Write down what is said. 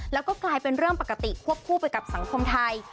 แล้วก็กลายเป็นเรื่องปกติควบคู่ไปกับสังคมไทย